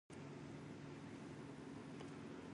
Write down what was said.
She glanced round the kitchen.